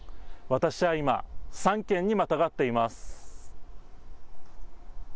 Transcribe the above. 私は今、３県にまたがっています。